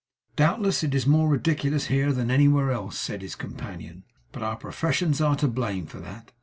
'Doubtless it is more ridiculous here than anywhere else,' said his companion; 'but our professions are to blame for that.